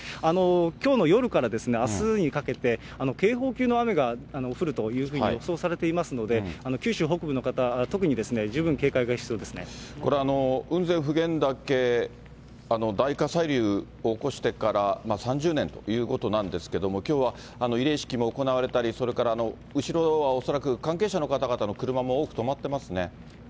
きょうの夜からあすにかけて、警報級の雨が降るというふうに予想されていますので、九州北部の方、これ、雲仙・普賢岳、大火砕流を起こしてから３０年ということなんですけれども、きょうは慰霊式も行われたり、それから、後ろは恐らく関係者の方々の車も多く止まってますね。